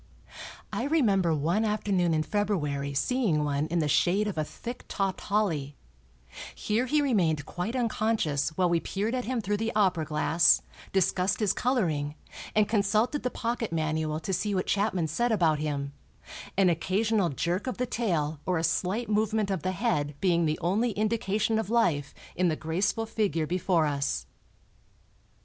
I remember one afternoon in February seeing one in the shade of a thick topped holly; here he remained quite unconscious while we peered at him through the opera glass, discussed his coloring and consulted the pocket manual to see what Chapman said about him, an occasional jerk of the tail or a slight movement of the head being the only indication of life in the graceful figure before us.